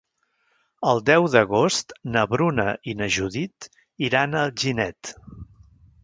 El deu d'agost na Bruna i na Judit iran a Alginet.